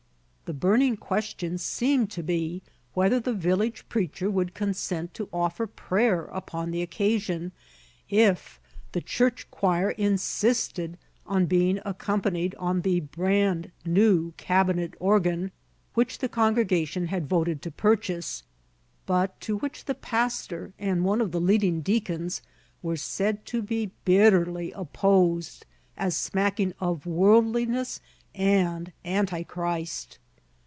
The burning question seemed to be whether the village preacher would consent to offer prayer upon the occasion, if the church choir insisted on being accompanied on the brand new cabinet organ which the congregation had voted to purchase, but to which the pastor and one of the leading deacons were said to be bitterly opposed, as smacking of worldliness and antichrist.